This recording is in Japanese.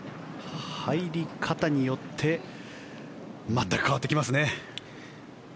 入り方によって全く変わってきますね。